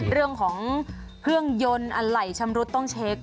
เรื่องของเครื่องยนต์อะไรชำรุดต้องเช็ค